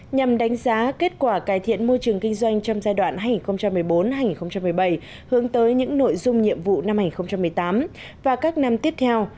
nhằm đánh giá kết quả cải thiện môi trường kinh doanh trong giai đoạn hai nghìn một mươi bốn hai nghìn một mươi bảy hướng tới những nội dung nhiệm vụ năm hai nghìn một mươi tám và các năm tiếp theo